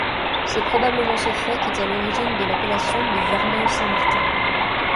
C'est probablement ce fait qui est à l'origine de l'appellation de Verneuil Saint-Martin.